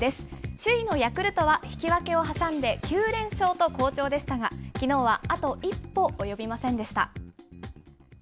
首位のヤクルトは引き分けを挟んで、９連勝と好調でしたが、きのうはあと一歩及びませんでした。